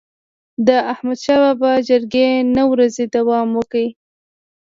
د احمدشاه بابا جرګي نه ورځي دوام وکړ.